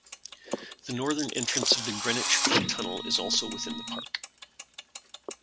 The northern entrance of the Greenwich foot tunnel is also within the park.